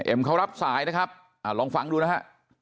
เขารับสายนะครับลองฟังดูนะฮะ